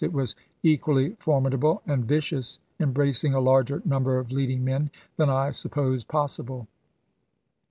It was equally formidable and vicious, embracing a larger number of leading men than I supposed possible.